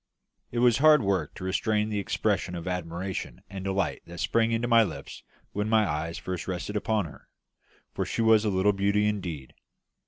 It was hard work to restrain the expressions of admiration and delight that sprang to my lips when my eyes first rested upon her, for she was a little beauty indeed.